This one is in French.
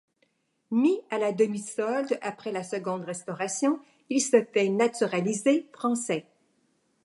Mis à la demi-solde, après la seconde Restauration, il se fait naturaliser français.